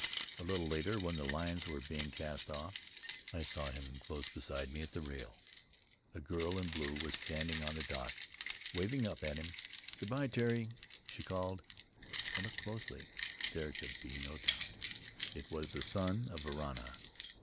A little later, when the lines were being cast off, I saw him close beside me at the rail. A girl in blue was standing on the dock, waving up at him. 'Good by, Terry!' she called. I looked closely; there could be no doubt — it was the son of Varana.